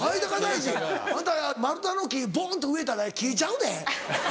あんた丸太の木ボンと植えたら木ちゃうで。